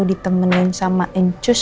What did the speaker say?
ditemenin sama ncus